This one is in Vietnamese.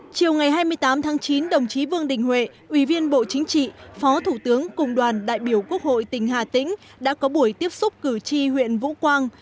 chiều ngày hai mươi tám tháng chín đồng chí vương đình huệ ủy viên bộ chính trị phó thủ tướng cùng đoàn đại biểu quốc hội tỉnh hà tĩnh đã có buổi tiếp xúc cử tri huyện vũ quang